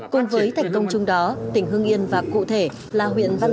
cùng với thành công chung đó tỉnh hương yên và cụ thể là huyện văn